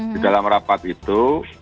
di dalam rapat itu